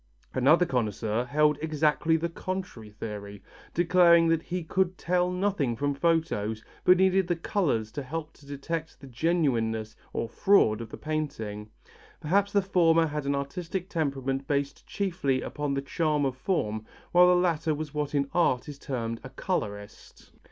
Another connoisseur held exactly the contrary theory, declaring that he could tell nothing from photos but needed the colours to help to detect the genuineness or fraud of the painting. Perhaps the former had an artistic temperament based chiefly upon the charm of form while the latter was what in art is termed a colourist.